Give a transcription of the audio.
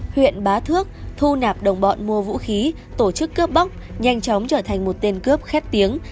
huyện bá thước thu nạp đồng bọn mua vũ khí tổ chức cướp bóc nhanh chóng trở thành một tên cướp khép tiếng